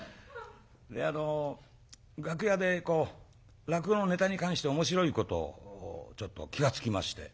楽屋でこう落語のネタに関して面白いことをちょっと気が付きまして。